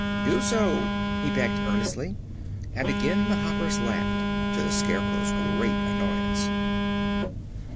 "Do so," he begged earnestly, and again the Hoppers laughed, to the Scarecrow's great annoyance.